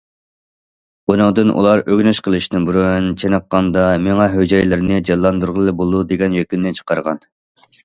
بۇنىڭدىن ئۇلار ئۆگىنىش قىلىشتىن بۇرۇن چېنىققاندا، مېڭە ھۈجەيرىلىرىنى جانلاندۇرغىلى بولىدۇ، دېگەن يەكۈننى چىقارغان.